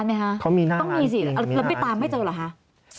เขามีหน้าร้านจริงมีหน้าร้านจริงค่ะมีหน้าร้านจริงค่ะต้องมีสิแล้วไปตามไม่เจอเหรอค่ะ